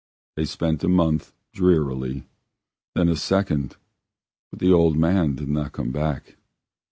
They spent a month drearily, then a second, but the old man did not come back.